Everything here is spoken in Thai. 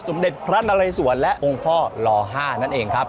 สมเด็จพระนรัยสวรรค์และองค์พ่อลอ๕นั่นเองครับ